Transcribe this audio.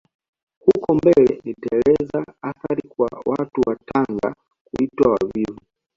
Huko mbele nitaeleza athari kwa watu wa Tanga kuitwa wavivu